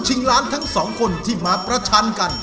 ล้านทั้งสองคนที่มาประชันกัน